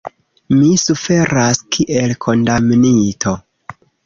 Mi suferas, kiel kondamnito.